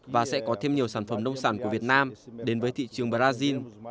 và sẽ có thêm nhiều sản phẩm nông sản của việt nam đến với thị trường brazil